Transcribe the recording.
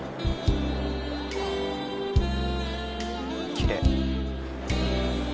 きれい。